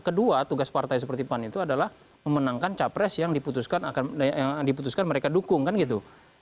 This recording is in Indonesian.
kedua tugas partai seperti pan itu adalah memenangkan capres yang diputuskan mereka dukung kan gitu